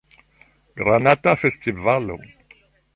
Granata Festivalo